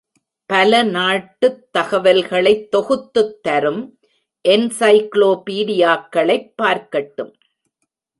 பல நாட்டுத் தகவல்களைத் தொகுத்துத் தரும் என்சைக்ளோபீடியாக்களைப் பார்க்கட்டும்.